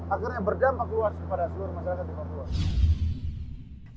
akhirnya berdampak luas kepada seluruh masyarakat di papua